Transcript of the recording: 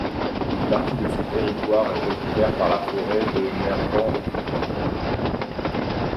Une partie de son territoire est recouvert par la forêt de Mervent-Vouvant.